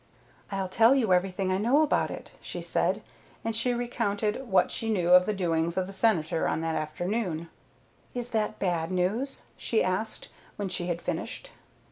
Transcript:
"I'll tell you everything I know about it," she said, and she recounted what she knew of the doings of the Senator on that afternoon. "Is that bad news?" she asked, when she had finished.